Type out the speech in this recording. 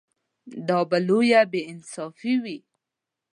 دا به لویه بې انصافي وي.